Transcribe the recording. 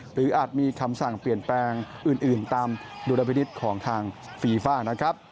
หรืออาจมีคำสั่งเปลี่ยนแปลงอื่นตามธุรกิจของทางฟีฟ้า